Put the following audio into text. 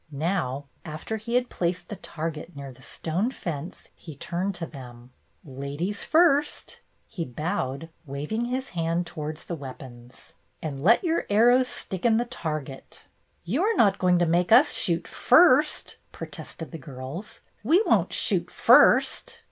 Now, after he had placed the target near the stone fence, he turned to them. "Ladies first!" He bowed, waving his hand towards the weapons. "And let your arrows stick in the target." THE MAY DAY GAMES 83 "You are not going to make us shoot first/^ protested the girls. "We won't shoot first."